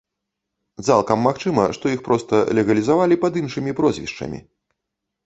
Цалкам магчыма, што іх проста легалізавалі пад іншымі прозвішчамі.